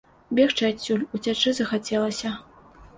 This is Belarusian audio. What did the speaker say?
Бегчы адсюль, уцячы захацелася.